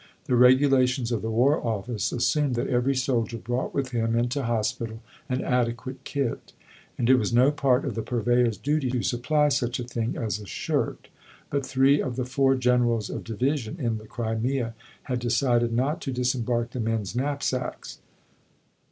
The regulations of the War Office assumed that every soldier brought with him into hospital an adequate kit, and it was no part of the Purveyor's duty to supply such a thing as a shirt. But three of the four generals of division in the Crimea had decided not to disembark the men's knapsacks.